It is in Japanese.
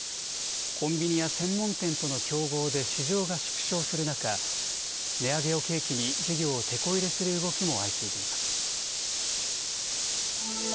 コンビニや専門店との競合で市場が縮小する中、値上げを契機に事業をてこ入れする動きも相次いでいます。